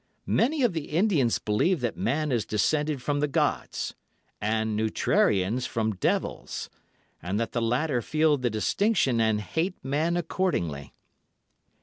Many of the Indians believe that man is descended from the gods, and neutrarians from devils, and that the latter feel the distinction and hate man accordingly.